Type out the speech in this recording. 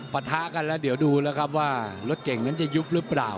ปะทะกันแล้วเดี๋ยวดูแล้วครับว่ารถเก่งนั้นจะยุบหรือเปล่า